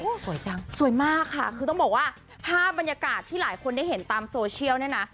สวยจังสวยมากค่ะคือต้องบอกว่าภาพบรรยากาศที่หลายคนได้เห็นตามโซเชียลเนี่ยนะ